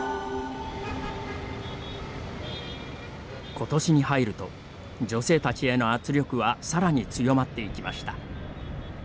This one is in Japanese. ことしに入ると女性たちへの圧力はさらに強まっていきました。